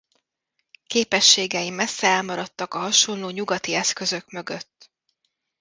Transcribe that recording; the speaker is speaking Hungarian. Képességei messze elmaradtak a hasonló nyugati eszközök mögött.